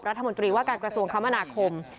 รัฐมนตรีว่าการกระทรวงคมนาคม